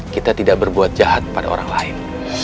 kita tidak berbuat jahat pada orang lain